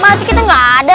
mas kita gak ada